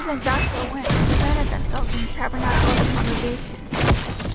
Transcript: And Moses and Joshua went, and presented themselves in the tabernacle of the congregation.